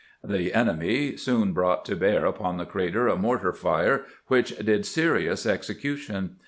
The enemy soon brought to bear upon the crater a mortar fire, which did serious execution.